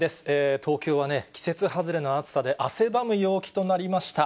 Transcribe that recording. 東京は、季節外れの暑さで、汗ばむ陽気となりました。